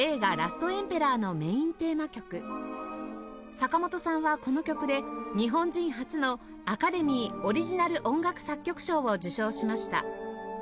坂本さんはこの曲で日本人初のアカデミーオリジナル音楽作曲賞を受賞しました